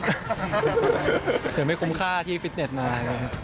เดี๋ยวไม่คุ้มค่าที่ฟิตเน็ตมา